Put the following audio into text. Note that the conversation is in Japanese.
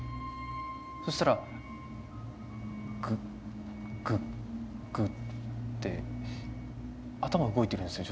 そしたら「グッグッグッ」って頭動いてるんですよ